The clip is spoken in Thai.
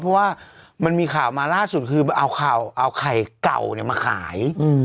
เพราะว่ามันมีข่าวมาล่าสุดคือเอาไข่เก่ามาขาย